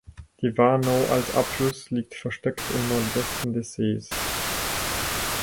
Die Warnow als Abfluss liegt versteckt im Nordwesten des Sees.